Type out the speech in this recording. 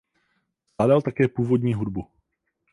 Skládal také původní hudbu.